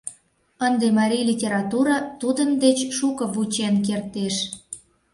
Ынде марий литература тудын деч шуко вучен кертеш.